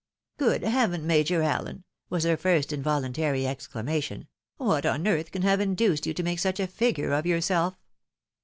" Good Heaven, Major Allen !" was her first involuntary exclamation, "what on earth can have induced you to make such a figure of yourself